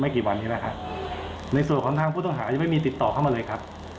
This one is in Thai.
ครับ